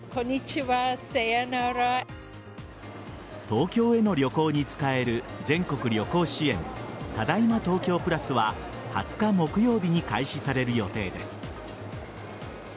東京への旅行に使える全国旅行支援ただいま東京プラスは２０日木曜日に開始される予定です。